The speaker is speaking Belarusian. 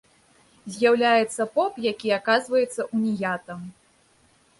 З'яўляецца поп, які аказваецца уніятам.